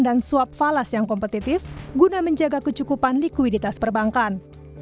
dan swap falas yang kompetitif guna menjaga kecukupan likuiditas perbankan